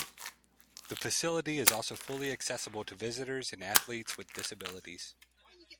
The facility is also fully accessible to visitors and athletes with disabilities.